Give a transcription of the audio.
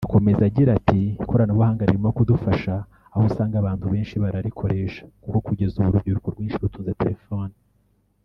akomeza agira ati”Ikoranabuhanga ririmo kudufasha aho usanga abantu benshi bararikoresha kuko kugeza ubu urubyiruko rwinshi rutunze telefoni